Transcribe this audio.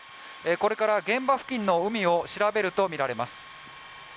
これから現場付近の海を調べると見られます